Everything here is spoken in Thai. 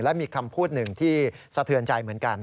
และมีคำพูดหนึ่งที่สะเทือนใจเหมือนกัน